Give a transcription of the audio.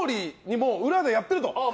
もう、裏でやってると。